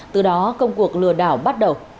từ đó công cuộc lừa đảo bắt đầu